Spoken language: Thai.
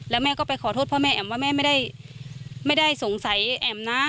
แล้วแม่ก็ไปขอโทษพ่อแม่แอ๋มว่าแม่ไม่ได้สงสัยแอ๋มนะ